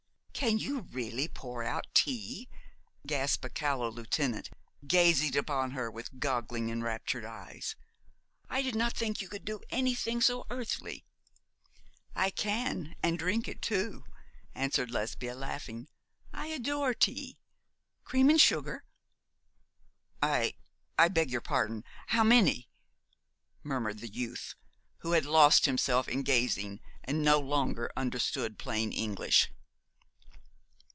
'Can you really pour out tea?' gasped a callow lieutenant, gazing upon her with goggling, enraptured eyes. 'I did not think you could do anything so earthly.' 'I can, and drink it too,' answered Lesbia, laughing. 'I adore tea. Cream and sugar?' 'I I beg your pardon how many?' murmured the youth, who had lost himself in gazing, and no longer understood plain English.